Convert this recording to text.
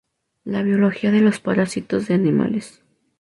La biología de los parásitos de animales".